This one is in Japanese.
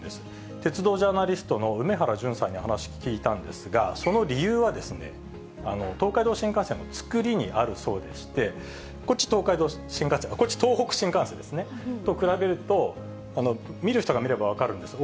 鉄道ジャーナリストの梅原淳さんに話聞いたんですが、その理由はですね、東海道新幹線の作りにあるそうでして、こっち東北新幹線ですね、比べると、見る人が見れば分かるんですね。